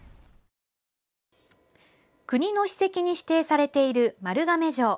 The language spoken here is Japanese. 国の史跡に指定されている丸亀城。